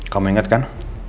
kamu ingat kan